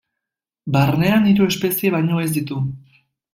Barnean hiru espezie baino ez ditu.